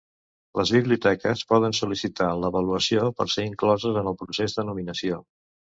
Les biblioteques poden sol·licitar l'avaluació per ser incloses en el procés de nominació.